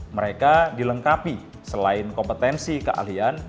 mereka dilengkapi selain kompetensi keahlian